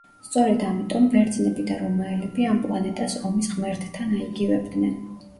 სწორედ ამიტომ, ბერძნები და რომაელები ამ პლანეტას ომის ღმერთთან აიგივებდნენ.